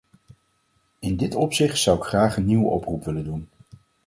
In dit opzicht zou ik graag een nieuwe oproep willen doen.